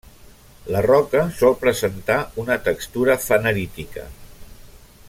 La roca sol presentar una textura fanerítica.